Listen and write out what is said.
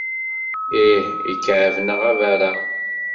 Ih, ikɛeb neɣ abaṛeɣ.